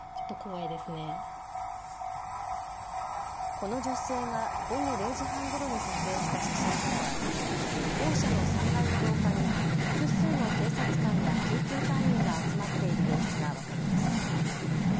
この女性が午後０時半ごろに撮影した写真からは校舎の３階の廊下に複数の警察官や救急隊員が集まっている様子が分かります。